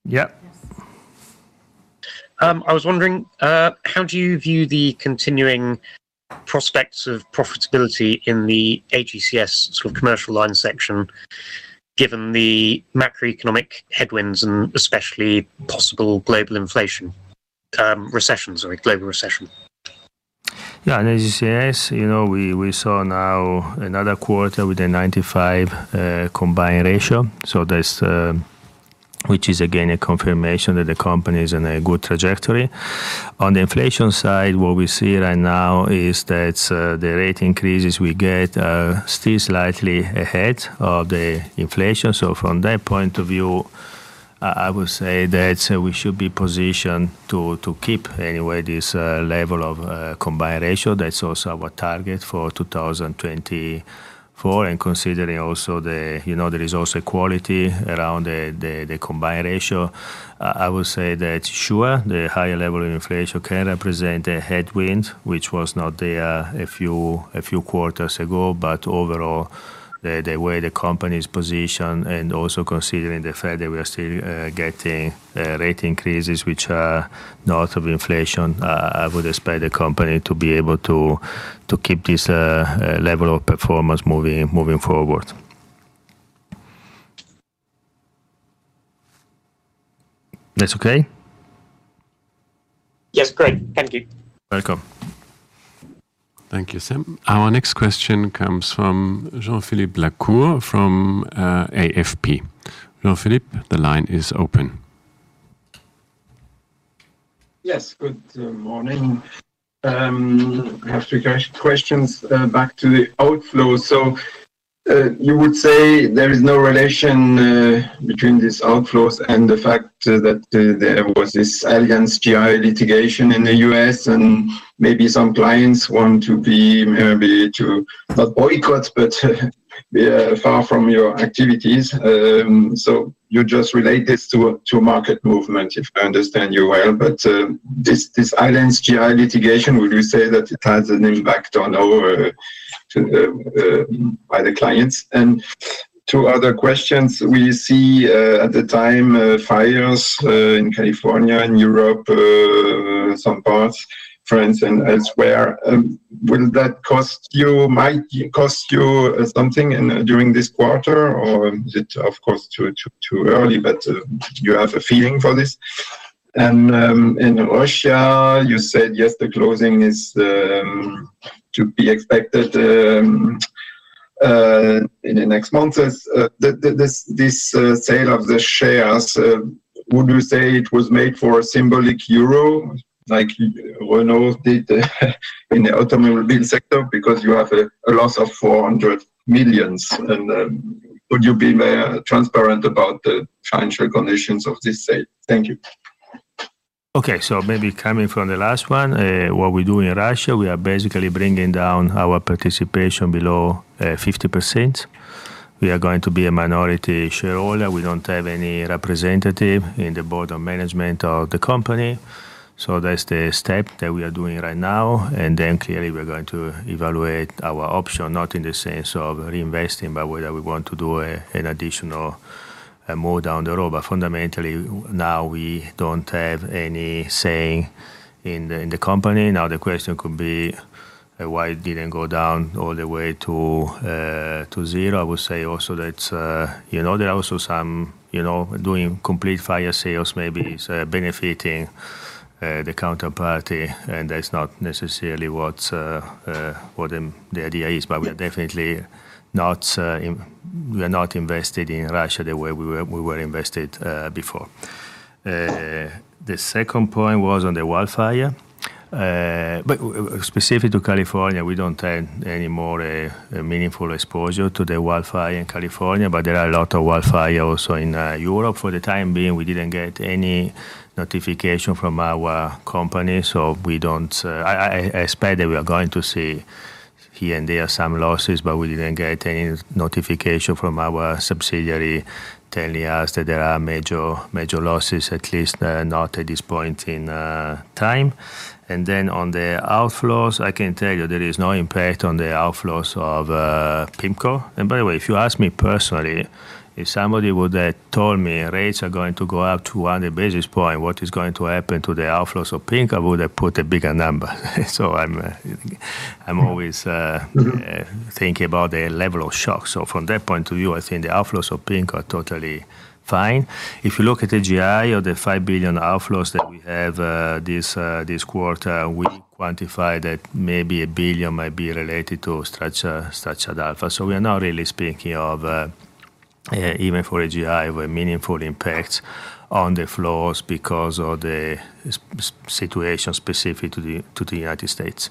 Yeah. I was wondering, how do you view the continuing prospects of profitability in the AGCS sort of commercial line section given the macroeconomic headwinds and especially possible global inflation recessions or a global recession? Yeah, in AGCS, we saw now another quarter with a 95% combined ratio, which is again a confirmation that the company is on a good trajectory. On the inflation side, what we see right now is that the rate increases we get are still slightly ahead of the inflation. So from that point of view, I would say that we should be positioned to keep anyway this level of combined ratio. That's also our target for 2024. Considering also that there is also quality around the combined ratio, I would say that, sure, the higher level of inflation can represent a headwind, which was not there a few quarters ago. But overall, the way the company is positioned and also considering the fact that we are still getting rate increases, which are north of inflation, I would expect the company to be able to keep this level of performance moving forward. That's okay? Yes, great. Thank you. Welcome. Thank you, Sam. Our next question comes from Jean-Philippe Lacour from AFP. Jean-Philippe, the line is open. Yes, good morning. I have three questions back to the outflows. So you would say there is no relation between these outflows and the fact that there was this Allianz GI litigation in the U.S., and maybe some clients want to be maybe to not boycott, but be far from your activities. So you just relate this to market movement, if I understand you well. But this Allianz GI litigation, would you say that it has an impact on our by the clients? Two other questions. We see at the time fires in California, in Europe, some parts, France, and elsewhere. Will that cost you? Might cost you something during this quarter, or is it, of course, too early, but you have a feeling for this? And in Russia, you said, yes, the closing is to be expected in the next months. This sale of the shares, would you say it was made for a symbolic euro, like Renault did in the automobile sector, because you have a loss of 400 million? And would you be transparent about the financial conditions of this sale? Thank you. Okay. So maybe coming from the last one, what we do in Russia, we are basically bringing down our participation below 50%. We are going to be a minority shareholder. We don't have any representative in the board of management of the company. So that's the step that we are doing right now. And then clearly, we're going to evaluate our option, not in the sense of reinvesting, but whether we want to do an additional move down the road. But fundamentally, now we don't have any say in the company. Now, the question could be, why didn't it go down all the way to zero? I would say also that there are also some doing complete fire sales maybe is benefiting the counterparty, and that's not necessarily what the idea is. But we are definitely not invested in Russia the way we were invested before. The second point was on the wildfire. Specific to California, we don't have any more meaningful exposure to the wildfire in California, but there are a lot of wildfires also in Europe. For the time being, we didn't get any notification from our company, so we don't expect that we are going to see here and there some losses, but we didn't get any notification from our subsidiary telling us that there are major losses, at least not at this point in time. On the outflows, I can tell you there is no impact on the outflows of PIMCO. By the way, if you ask me personally, if somebody would have told me rates are going to go up to 100 basis points, what is going to happen to the outflows of PIMCO, I would have put a bigger number. I'm always thinking about the level of shock. From that point of view, I think the outflows of PIMCO are totally fine. If you look at the GI or the 5 billion outflows that we have this quarter, we quantify that maybe €1 billion might be related to Structured Alpha. So we are not really speaking of even for a GI of a meaningful impact on the flows because of the situation specific to the United States.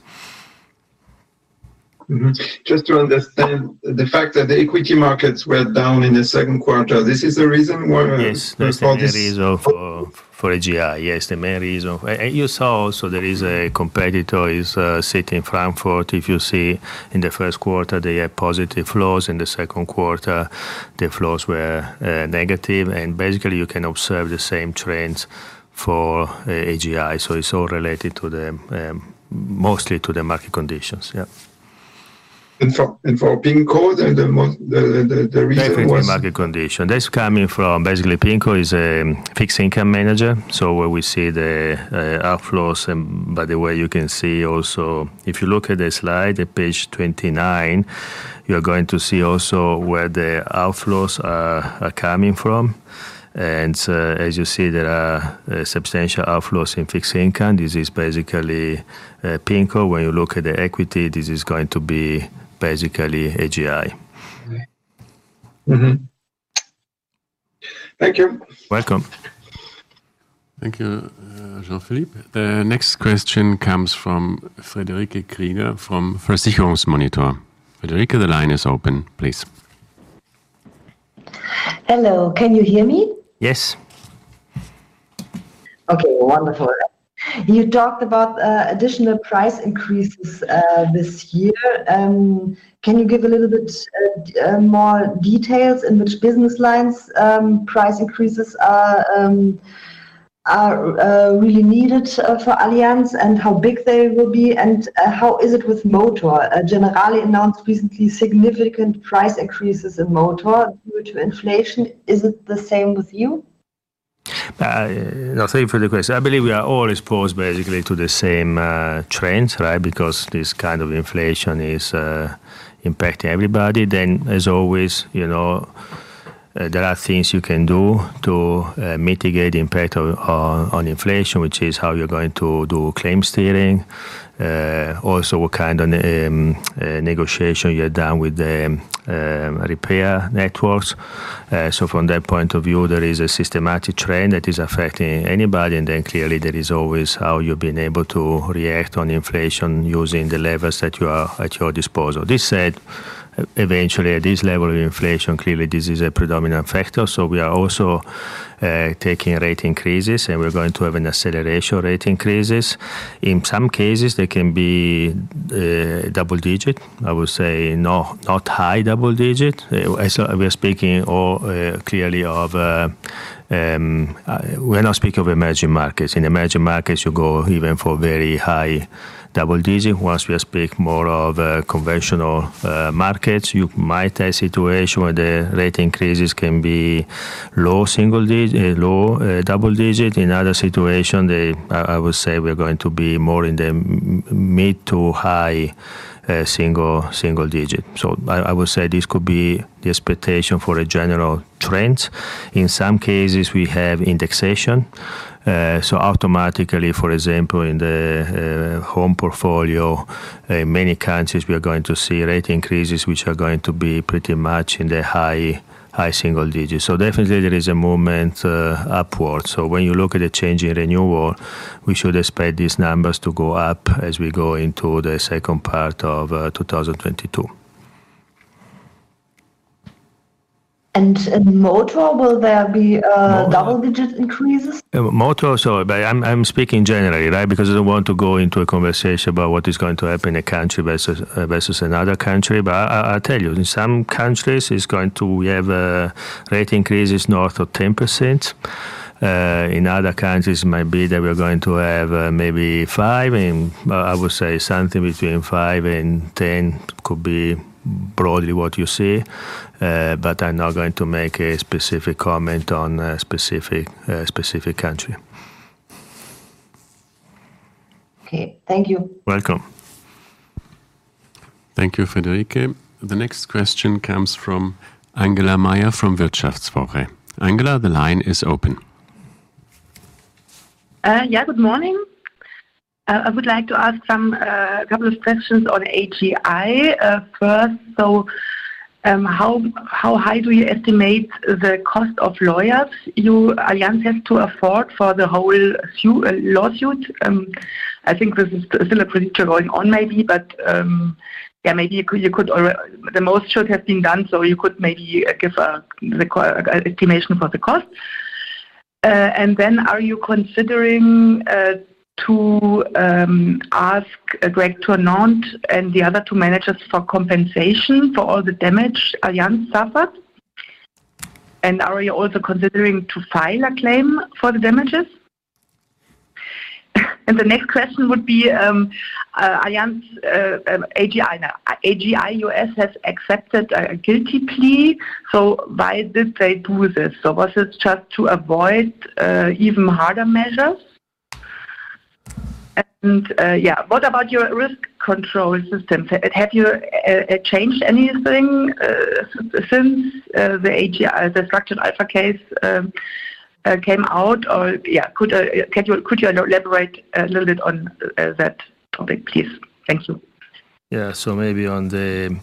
Just to understand the fact that the equity markets were down in the second quarter, this is the reason why? Yes, the main reason for the GI. Yes, the main reason. And you saw also there is a competitor sitting in Frankfurt. If you see in the first quarter, they had positive flows. In the second quarter, the flows were negative. And basically, you can observe the same trends for AGI. So it's all related mostly to the market conditions. Yeah. And for PIMCO, the reason was? Definitely market condition. That's coming from basically PIMCO is a fixed income manager. So where we see the outflows. And by the way, you can see also if you look at the slide, the page 29, you are going to see also where the outflows are coming from. And as you see, there are substantial outflows in fixed income. This is basically PIMCO. When you look at the equity, this is going to be basically AGI. Thank you. Welcome. Thank you, Jean-Philippe. The next question comes from Friederike Krieger from Versicherungsmonitor. Friederike, the line is open, please. Hello. Can you hear me? Yes. Okay. Wonderful. You talked about additional price increases this year. Can you give a little bit more details in which business lines price increases are really needed for Allianz and how big they will be? And how is it with Motor? Generali announced recently significant price increases in Motor due to inflation. Is it the same with you? No, thank you for the question. I believe we are always exposed basically to the same trends, right? Because this kind of inflation is impacting everybody, then as always, there are things you can do to mitigate the impact on inflation, which is how you're going to do claim steering. Also, what kind of negotiation you have done with the repair networks. So from that point of view, there is a systematic trend that is affecting anybody, and then clearly, there is always how you've been able to react on inflation using the levers that you have at your disposal. That said, eventually, at this level of inflation, clearly, this is a predominant factor. So we are also taking rate increases, and we're going to have an acceleration of rate increases. In some cases, there can be double digit. I would say not high double digit. We are speaking clearly. We're not speaking of emerging markets. In emerging markets, you go even for very high double digit. Once we speak more of conventional markets, you might have a situation where the rate increases can be low single digit, low double digit. In other situations, I would say we're going to be more in the mid to high single digit. So I would say this could be the expectation for a general trend. In some cases, we have indexation. So automatically, for example, in the home portfolio, in many countries, we are going to see rate increases, which are going to be pretty much in the high single digit. So definitely, there is a movement upward. So when you look at the change in renewal, we should expect these numbers to go up as we go into the second part of 2022. And in Motor, will there be double digit increases? Motor, sorry, but I'm speaking generally, right? Because I don't want to go into a conversation about what is going to happen in a country versus another country. But I tell you, in some countries, it's going to have rate increases north of 10%. In other countries, it might be that we're going to have maybe 5%. I would say something between 5% and 10% could be broadly what you see. But I'm not going to make a specific comment on a specific country. Okay. Thank you. Welcome. Thank you, Frederike. The next question comes from Angela Maier from WirtschaftsWoche. Angela, the line is open. Yeah, good morning. I would like to ask a couple of questions on AGI first. So how high do you estimate the cost of lawyers Allianz has to afford for the whole lawsuit? I think this is still a procedure going on maybe, but yeah, maybe you could the most should have been done, so you could maybe give an estimation for the cost. And then are you considering to ask Greg Tournant and the other two managers for compensation for all the damage Allianz suffered? And are you also considering to file a claim for the damages? And the next question would be Allianz AGI, AGI U.S. has accepted a guilty plea. So why did they do this? So was it just to avoid even harder measures? And yeah, what about your risk control system? Have you changed anything since the Structured Alpha case came out? Or yeah, could you elaborate a little bit on that topic, please? Thank you. Yeah. So maybe on the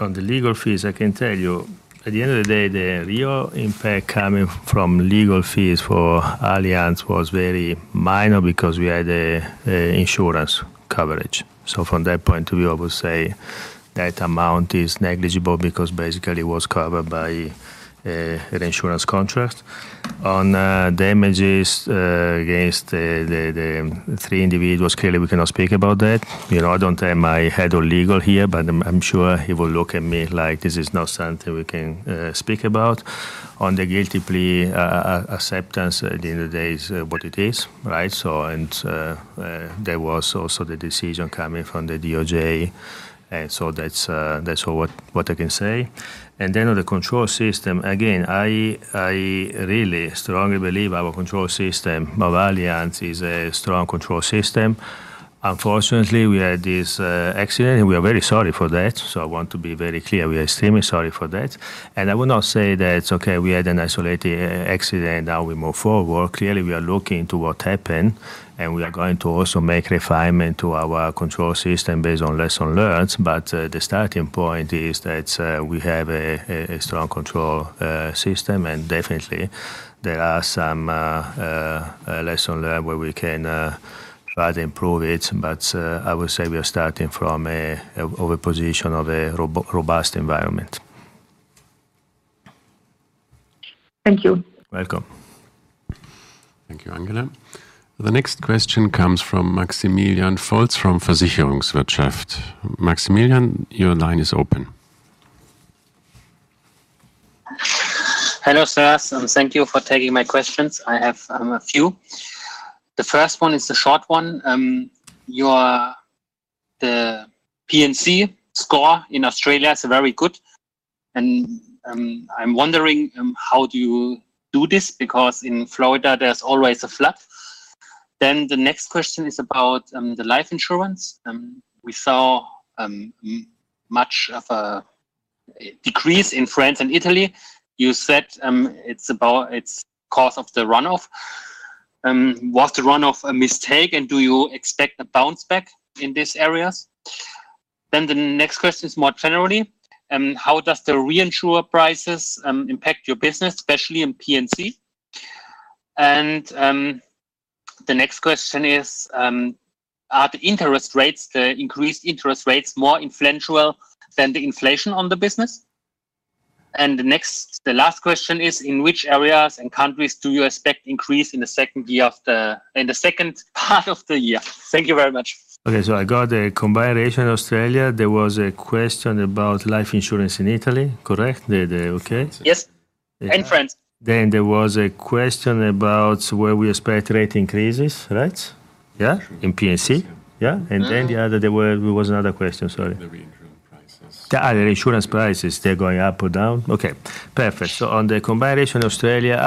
legal fees, I can tell you. At the end of the day, the real impact coming from legal fees for Allianz was very minor because we had insurance coverage. So from that point of view, I would say that amount is negligible because basically it was covered by an insurance contract. On damages against the three individuals, clearly, we cannot speak about that. I don't have my head of legal here, but I'm sure he will look at me like this is not something we can speak about. On the guilty plea acceptance, at the end of the day, it's what it is, right? And there was also the decision coming from the DOJ. And so that's what I can say. And then on the control system, again, I really strongly believe our control system, our Allianz is a strong control system. Unfortunately, we had this accident, and we are very sorry for that. So I want to be very clear. We are extremely sorry for that. And I would not say that, okay, we had an isolated accident, now we move forward. Clearly, we are looking to what happened, and we are going to also make refinement to our control system based on lesson learned. But the starting point is that we have a strong control system, and definitely, there are some lesson learned where we can try to improve it. But I would say we are starting from an overposition of a robust environment. Thank you. Welcome. Thank you, Angela. The next question comes from Maximilian Volz from Versicherungswirtschaft. Maximilian, your line is open. Hello, Sirma. Thank you for taking my questions. I have a few. The first one is the short one. Your P&C score in Australia is very good. And I'm wondering how do you do this? Because in Florida, there's always a flood. Then the next question is about the life insurance. We saw much of a decrease in France and Italy. You said it's about its cost of the runoff. Was the runoff a mistake, and do you expect a bounce back in these areas? Then the next question is more generally. How does the reinsurer prices impact your business, especially in P&C? And the next question is, are the interest rates, the increased interest rates, more influential than the inflation on the business? And the last question is, in which areas and countries do you expect increase in the second year of the in the second part of the year? Thank you very much. Okay. So I got a combination Australia. There was a question about life insurance in Italy, correct? Okay. Yes. And France. Then there was a question about where we expect rate increases, right? Yeah? In P&C? Yeah? And then the other there was another question, sorry. The reinsurance prices. The other insurance prices, they're going up or down? Okay. Perfect. So on the combination Australia,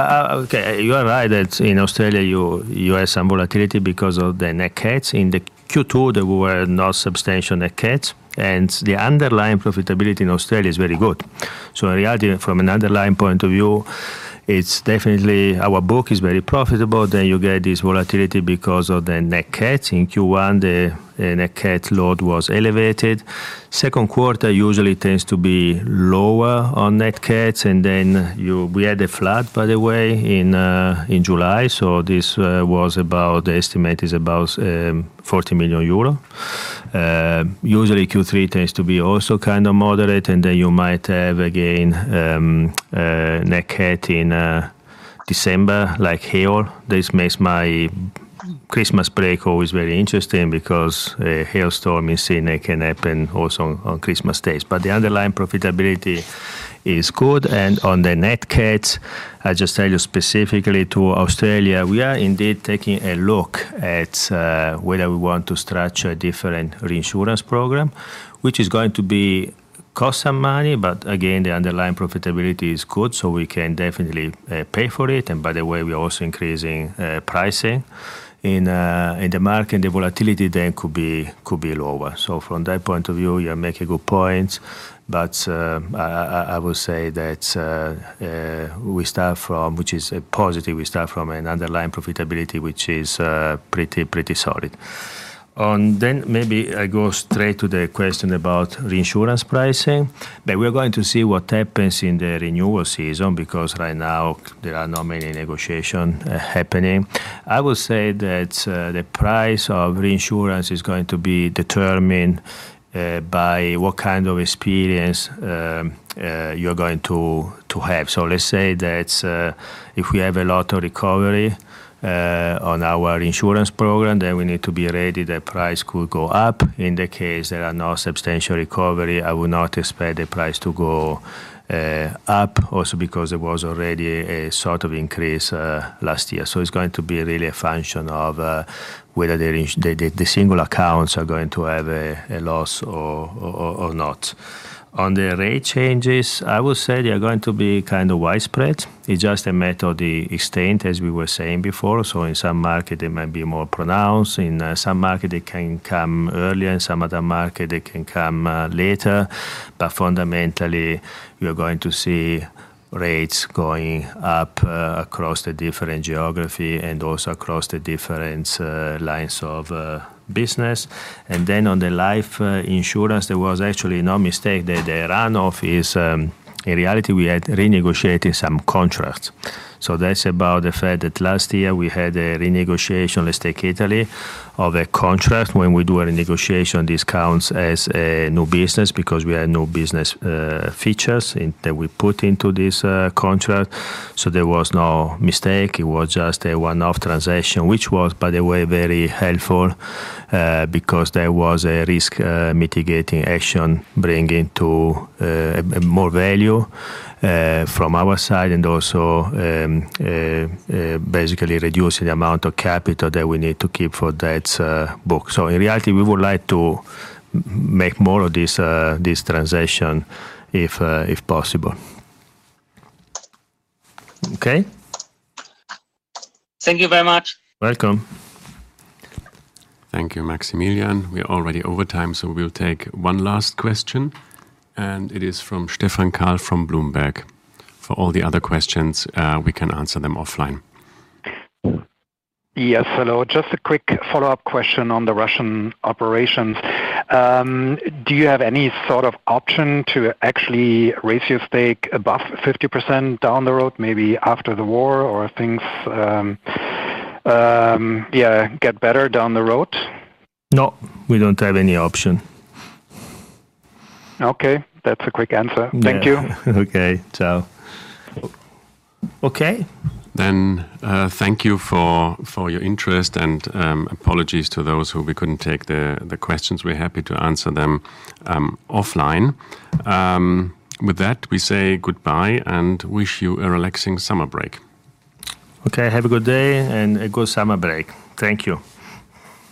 okay, you are right that in Australia, you have some volatility because of the nat cats. In the Q2, there were no substantial nat cats. And the underlying profitability in Australia is very good. So in reality, from an underlying point of view, it's definitely our book is very profitable. Then you get this volatility because of the nat cats. In Q1, the nat cat load was elevated. Second quarter usually tends to be lower on nat cats. We had a flood, by the way, in July. This was about the estimate is about 40 million euro. Usually, Q3 tends to be also kind of moderate. You might have again nat cat in December, like hail. This makes my Christmas break always very interesting because a hailstorm in Sydney can happen also on Christmas days. The underlying profitability is good. On the nat cats, I just tell you specifically to Australia, we are indeed taking a look at whether we want to structure a different reinsurance program, which is going to cost some money. Again, the underlying profitability is good, so we can definitely pay for it. By the way, we are also increasing pricing in the market, and the volatility then could be lower. From that point of view, you make a good point. But I will say that we start from, which is a positive, an underlying profitability which is pretty solid. Then maybe I go straight to the question about reinsurance pricing. We're going to see what happens in the renewal season because right now, there are not many negotiations happening. I would say that the price of reinsurance is going to be determined by what kind of experience you're going to have. So let's say that if we have a lot of recovery on our insurance program, then we need to be ready that price could go up. In the case there are no substantial recovery, I would not expect the price to go up also because there was already a sort of increase last year. It's going to be really a function of whether the single accounts are going to have a loss or not. On the rate changes, I would say they are going to be kind of widespread. It's just a matter of the extent, as we were saying before. In some market, they might be more pronounced. In some market, they can come earlier. In some other market, they can come later. But fundamentally, we are going to see rates going up across the different geography and also across the different lines of business. And then on the life insurance, there was actually no mistake that the runoff is in reality we had renegotiated some contracts. So that's about the fact that last year, we had a renegotiation, let's take Italy, of a contract when we do a renegotiation discounts as a new business because we had new business features that we put into this contract. So there was no mistake. It was just a one-off transaction, which was, by the way, very helpful because there was a risk mitigating action bringing to more value from our side and also basically reducing the amount of capital that we need to keep for that book. So in reality, we would like to make more of this transition if possible. Okay. Thank you very much. Welcome. Thank you, Maximilian. We are already over time, so we'll take one last question. And it is from Stephan Kahl from Bloomberg. For all the other questions, we can answer them offline. Yes, hello. Just a quick follow-up question on the Russian operations. Do you have any sort of option to actually raise your stake above 50% down the road, maybe after the war, or things, yeah, get better down the road? No, we don't have any option. Okay. That's a quick answer. Thank you. Okay. Ciao. Okay. Then thank you for your interest and apologies to those who we couldn't take the questions. We're happy to answer them offline. With that, we say goodbye and wish you a relaxing summer break. Okay. Have a good day and a good summer break. Thank you.